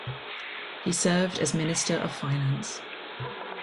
He served as Minister of Finance.